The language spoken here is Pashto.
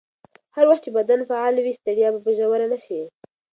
هر وخت چې بدن فعال وي، ستړیا به ژوره نه شي.